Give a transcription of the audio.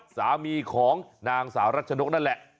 สามีของนางสาวรัชนกนั่นแหละ